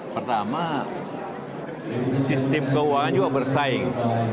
pertama sistem keuangan juga bersaing